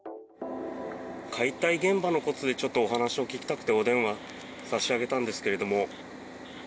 解体現場のことでちょっとお話を聞きたくてお電話差し上げたんですけども。